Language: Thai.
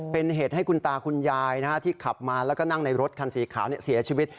เป็นเหตุให้คุณตาคุณยายที่ขับมาแล้วก็นั่งในรถคันสีขาวเสียชีวิต